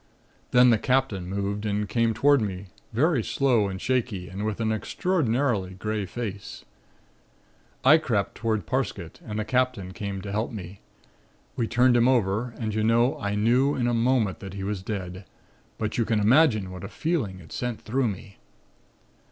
"Then the Captain moved and came toward us, very slow and shaky and with an extraordinarily grey face. "I crept toward Parsket and the Captain came to help me. We turned him over and, you know, I knew in a moment that he was dead; but you can imagine what a feeling it sent through me.